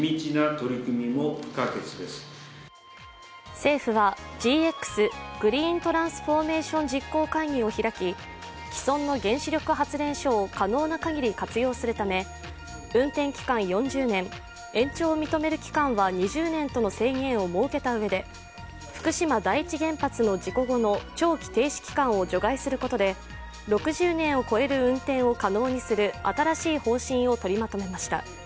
政府はＧＸ＝グリーントランスフォーメーション実行会議を開き既存の原子力発電所を可能なかぎり活用するため運転期間４０年、延長を認める期間は２０年との制限を設けたうえで福島第一原発の事故後の長期停止期間を除外することで６０年を超える運転を可能にする新しい方針を取りまとめました。